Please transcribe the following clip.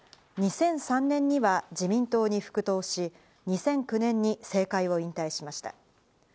２００３年には自民党に復党し、２００９年に政界を引退しました。